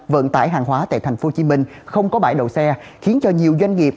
vận tải hàng hóa tại tp hcm không có bãi đậu xe khiến cho nhiều doanh nghiệp